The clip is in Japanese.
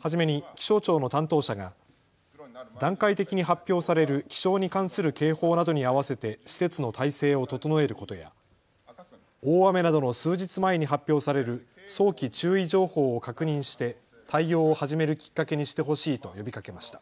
初めに気象庁の担当者が段階的に発表される気象に関する警報などにあわせて施設の態勢を整えることや大雨などの数日前に発表される早期注意情報を確認して対応を始めるきっかけにしてほしいと呼びかけました。